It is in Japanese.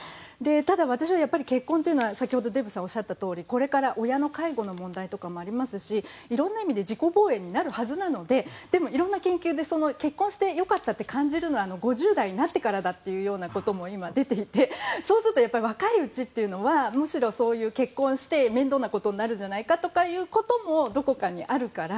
ただ私はやっぱり結婚というのは先ほどデーブさんがおっしゃったようにこれから親の介護の問題とかもありますしいろんな意味で自己防衛になるはずなのででもいろいろな研究で結婚して良かったと感じるのは５０代になってからだということも今、出ていてそうすると若いうちというのはむしろ、そういう結婚して面倒なことになるんじゃないかということもどこかにあるから。